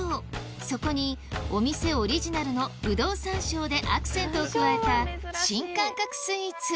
そこにお店オリジナルのぶどう山椒でアクセントを加えた新感覚スイーツ